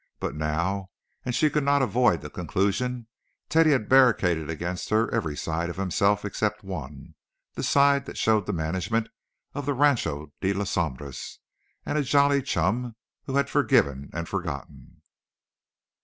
But now—and she could not avoid the conclusion—Teddy had barricaded against her every side of himself except one—the side that showed the manager of the Rancho de las Sombras and a jolly chum who had forgiven and forgotten.